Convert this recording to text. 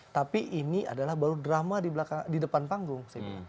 tapi ini adalah baru drama di depan panggung